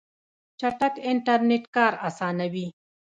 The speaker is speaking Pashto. چټک انټرنیټ کار اسانوي.